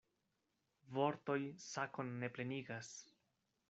Vortoj sakon ne plenigas.